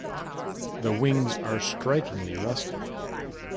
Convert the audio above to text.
The wings are strikingly rusty.